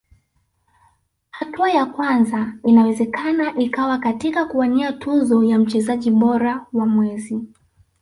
hatua ya kwanza inawezekana ikawa katika kuwania tuzo ya mchezaji bora wa mwezi